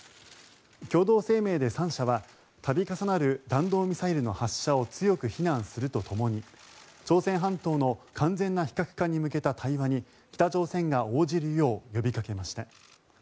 共同声明で３者は度重なる弾道ミサイルの発射を強く非難するとともに朝鮮半島の完全な非核化に向けた対話に北朝鮮が応じるよう呼びかけました。